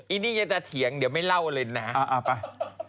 อันนี้จะเถียงเดี๋ยวไม่เล่าเลยนะอ่าอ่าไป